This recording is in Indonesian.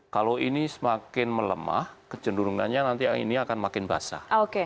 kalau ini semakin melemah kecenderungannya nanti anginnya akan makin basah